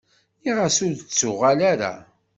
Nniɣ-as ur d-ttuɣal ara.